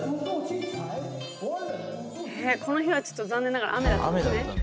えっこの日はちょっと残念ながら雨だったんですね。